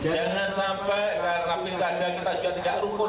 jangan sampai karena pilkada kita juga tidak rukun